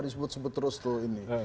disebut terus tuh ini